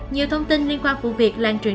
nhiều thông tin liên quan vụ việc lan truyền